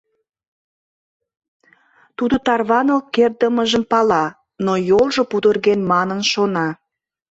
Тудо тарваныл кертдымыжым пала, но йолжо пудырген манын шона.